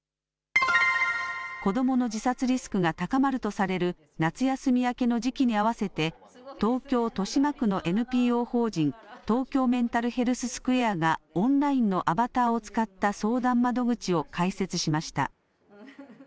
子どもの自殺リスクが高まるとされる夏休み明けの時期に合わせて、東京・豊島区のＮＰＯ法人東京メンタルヘルス・スクエアがオンラインのアバターを使った相談窓口を開設しました。